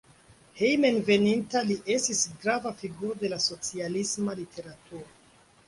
Hejmenveninta li estis grava figuro de la socialisma literaturo.